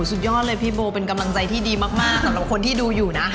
สุดยอดเลยพี่โบเป็นกำลังใจที่ดีมากสำหรับคนที่ดูอยู่นะ